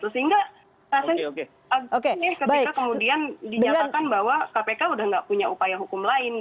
sehingga ketika kemudian dinyatakan bahwa kpk sudah tidak punya upaya hukum lain